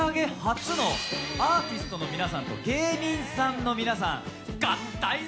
初のアーティストの皆さんと芸人さんの皆さん合体